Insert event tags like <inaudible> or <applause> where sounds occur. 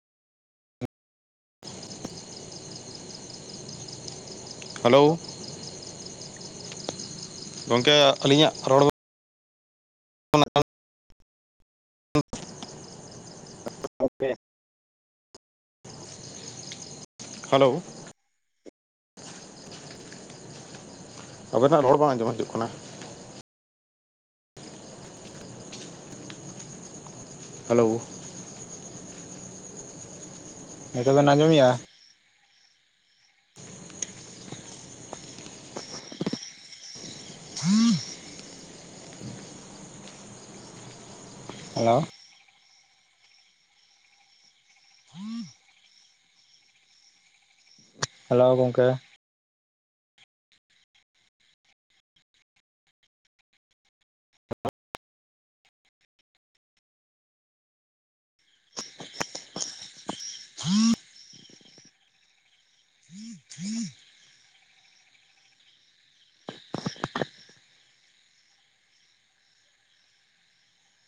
<inaudible> Hello, ᱜᱚᱢᱠᱮ ᱟᱹᱞᱤᱧᱟᱜ ᱨᱚᱲ ᱚᱱᱟ, <unintelligible> ᱠᱚ ᱯᱮ ᱦᱮᱞᱳ, ᱟᱵᱮᱱᱟᱜ ᱨᱚᱲ ᱵᱟᱝ ᱟᱸᱡᱚᱢ ᱦᱤᱡᱩᱜ ᱠᱟᱱᱟ᱾ ᱦᱮᱞᱳ, ᱱᱤᱛᱚᱜ ᱵᱮᱱ ᱟᱸᱡᱚᱢᱮᱜᱼᱟ? <inaudible> ᱦᱮᱞᱳ, <inaudible> ᱦᱮᱞᱳ ᱜᱚᱝᱠᱮ᱾